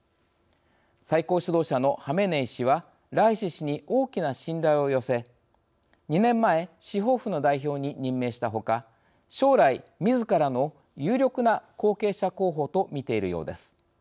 最高指導者のハメネイ師はライシ師に大きな信頼を寄せ２年前司法府の代表に任命したほか将来、みずからの有力な後継者候補と見ているようです。